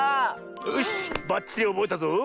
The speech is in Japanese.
よしばっちりおぼえたぞ！